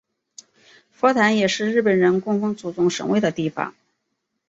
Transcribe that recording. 佛坛也是日本人供奉祖宗神位的地方。